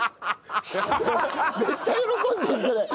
めっちゃ喜んでるじゃない。